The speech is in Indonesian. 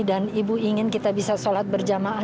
dan ibu ingin kita bisa sholat berjamaah